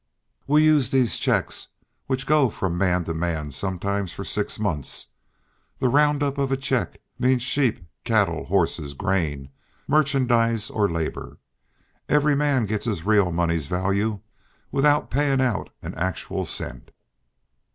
We use these checks, which go from man to man sometimes for six months. The roundup of a check means sheep, cattle, horses, grain, merchandise or labor. Every man gets his real money's value without paying out an actual cent."